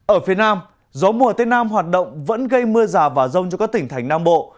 ở phía nam gió mùa tây nam hoạt động vẫn gây mưa rào và rông cho các tỉnh thành nam bộ